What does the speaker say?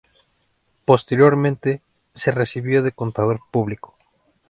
Posteriormente, se recibió de Contador Público.